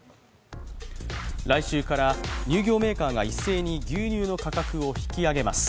来週から乳業メーカーが一斉に牛乳の価格を引き上げます。